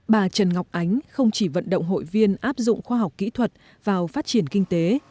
bà trần ngọc ánh không chỉ vận động hội viên áp dụng khoa học kỹ thuật vào phát triển kinh tế